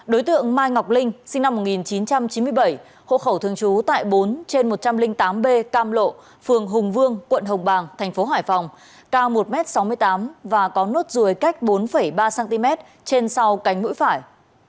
đối tượng mai ngọc linh sinh năm một nghìn chín trăm chín mươi bảy hộ khẩu thường trú tại bốn trên một trăm linh tám b cam lộ phường hùng vương quận hồng bàng tp hcm cao một m sáu mươi tám và có nốt ruồi cách bốn ba cm trên sau cánh mũi phải